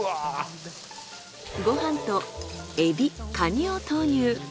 ご飯とエビカニを投入。